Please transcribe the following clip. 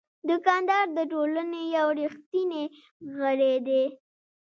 دوکاندار د ټولنې یو ریښتینی غړی دی.